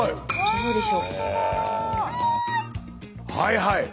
はいはい！